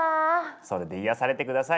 それで癒やされて下さい。